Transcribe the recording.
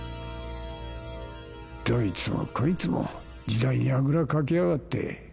どいつもこいつも時代にあぐらかきやがって。